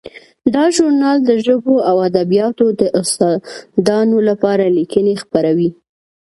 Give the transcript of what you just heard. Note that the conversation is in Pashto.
دا ژورنال د ژبو او ادبیاتو د استادانو لپاره لیکنې خپروي.